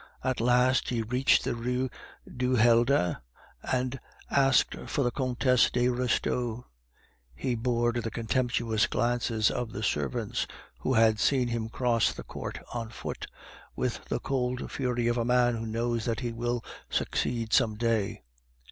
At last he reached the Rue du Helder, and asked for the Comtesse de Restaud. He bore the contemptuous glances of the servants, who had seen him cross the court on foot, with the cold fury of a man who knows that he will succeed some day.